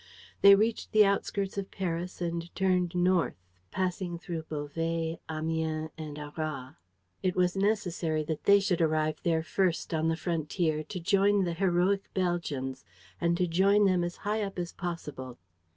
They reached the outskirts of Paris and turned north, passing through Beauvais, Amiens and Arras. It was necessary that they should arrive there first, on the frontier, to join the heroic Belgians and to join them as high up as possible.